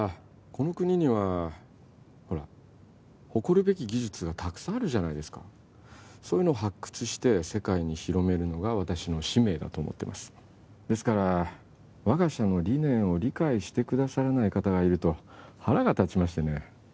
この国にはほら誇るべき技術がたくさんあるじゃないですかそういうのを発掘して世界に広めるのが私の使命だと思ってますですから我が社の理念を理解してくださらない方がいると腹が立ちましてね